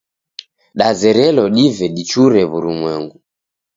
Dazerelo dive dichure w'urumwengu.